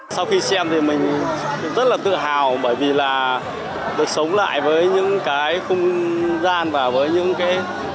sau khi xem thì mình rất là tự hào bởi vì là được sống lại với những cái không gian và với những cái